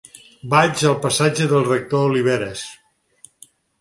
Vaig al passatge del Rector Oliveras.